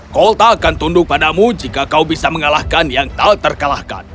colta akan tunduk padamu jika kau bisa mengalahkan yang tak terkalahkan